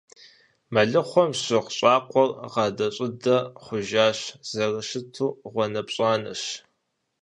Мэлыхъуэм щыгъ щӀакӀуэр гъадэ-щӀыдэ хъужащ, зэрыщыту гъуанэпщӀанэщ.